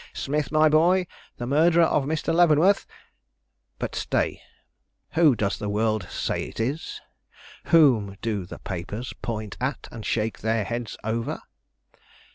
Smith, my boy, the murderer of Mr. Leavenworth but stay, who does the world say it is? Whom do the papers point at and shake their heads over?